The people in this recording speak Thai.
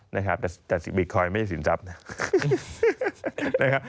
นะครับแต่บิตคอยน์ไม่ได้สินทรัพย์นะ